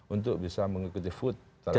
untuk bisa mengikuti putusannya